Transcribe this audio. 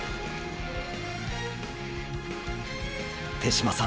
手嶋さん